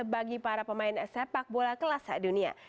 bagi para pemain sepak bola kelas dunia